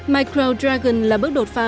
micro dragon là bước đột phá